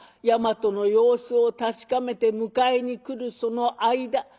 山都の様子を確かめて迎えに来るその間」。